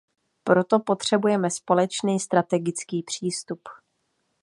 Proto potřebujeme společný strategický přístup.